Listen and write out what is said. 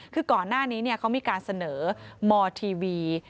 คือก่อนหน้านี้เนี่ยเขามีการเสนอมอร์ทีวี